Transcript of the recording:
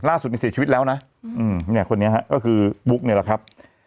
ล่าสุดนี้เสียชีวิตแล้วนะเนี่ยคนนี้ฮะก็คือบุ๊กนี่แหละครับ